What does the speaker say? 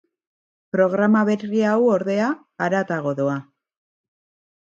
Programa berri hau, ordea, haratago doa.